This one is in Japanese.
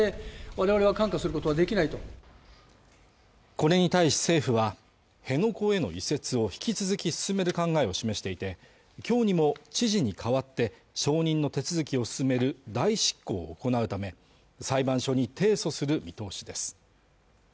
これに対し政府は辺野古への移設を引き続き進める考えを示していて今日にも知事に代わって承認の手続きを進める代執行を行うため裁判所に提訴する見通しです